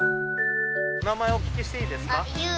お名前お聞きしていいですか？